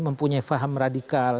mempunyai faham radikal